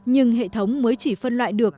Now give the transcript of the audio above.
nhưng hệ thống mới chỉ phân loại được